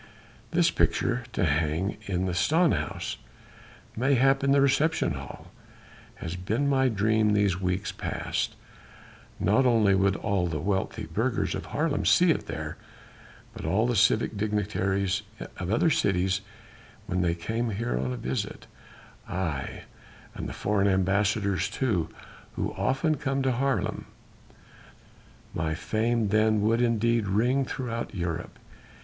This picture to hang in the Stanhuis, mayhap in the reception hall, has been my dream these weeks past; not only would all the wealthy burghers of Haarlem see it there, but all the civic dignitaries of other cities when they come here on a visit, aye! and the foreign ambassadors too, who often come to Haarlem. My fame then would indeed ring throughout Europe....